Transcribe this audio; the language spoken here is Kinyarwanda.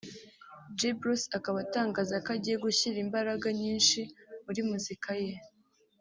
G-Bruce akaba atangaza ko agiye gushyira imbaraga nyinshi muri muzika ye